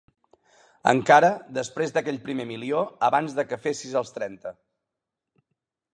Encara, després d'aquell primer milió abans de que fessis els trenta.